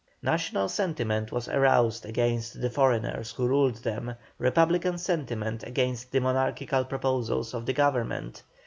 National sentiment was aroused against the foreigners who ruled them, republican sentiment against the monarchical proposals of the Government.